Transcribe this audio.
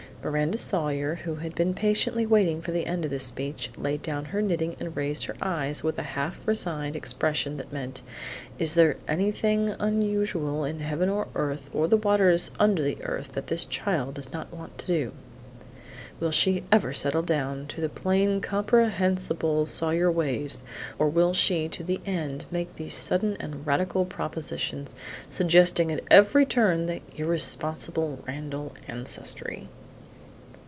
Miranda Sawyer, who had been patiently waiting for the end of this speech, laid down her knitting and raised her eyes with a half resigned expression that meant: Is there anything unusual in heaven or earth or the waters under the earth that this child does not want to do? Will she ever settle down to plain, comprehensible Sawyer ways, or will she to the end make these sudden and radical propositions, suggesting at every turn the irresponsible Randall ancestry?